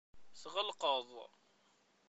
Tɣelqeḍ.